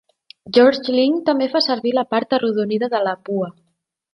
George Lynch també fa servir la part arrodonida de la pua.